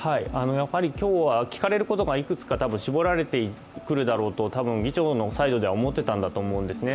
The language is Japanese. やはり今日は聞かれることがいくつか絞られてくるだろうとたぶん議長のサイドでは思っていたと思うんですね。